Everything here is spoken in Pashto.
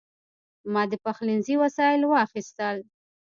ما د پخلنځي وسایل واخیستل.